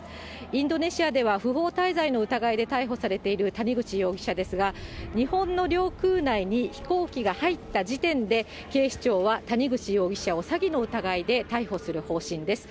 インドネシアでは不法滞在の疑いで逮捕されている谷口容疑者ですが、日本の領空内に飛行機が入った時点で、警視庁は谷口容疑者を詐欺の疑いで逮捕する方針です。